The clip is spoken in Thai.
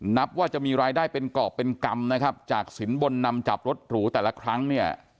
นับว่าจะมีรายได้เป็นกรอบเป็นกรรมนะครับจากสินบนนำจับรถหรูแต่ละครั้งเนี่ย